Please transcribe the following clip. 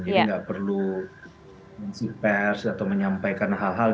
jadi nggak perlu mengisi pers atau menyampaikan hal hal di luar negara